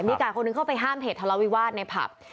พอหนึ่งกาดเข้าไปห้ามเหตุทะเลาะวิวาสในผับ